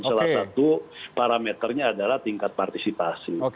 salah satu parameternya adalah tingkat partisipasi